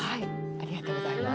ありがとうございます。